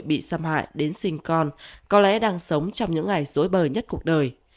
bị xâm hại đến sinh con có lẽ đang sống trong những ngày dối bờ nhất cuộc đời